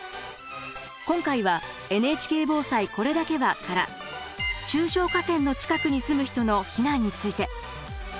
今回は「ＮＨＫ防災これだけは」から中小河川の近くに住む人の避難について。